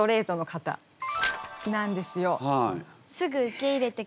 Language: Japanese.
そうなんですよ。